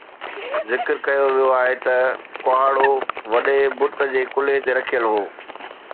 ذڪر ڪيو ويو آهي ته ڪهاڙو وڏي بت جي ڪلهي تي رکيل هو